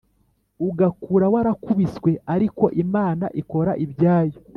Ugakura warakubiswe ariko Imana ikora ibyayo